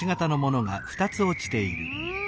うん。